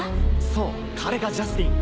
そう彼がジャスティン。